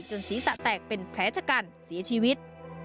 ศีรษะแตกเป็นแผลชะกันเสียชีวิต